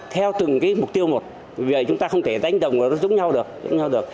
theo từng mục tiêu một vậy chúng ta không thể đánh đồng giống nhau được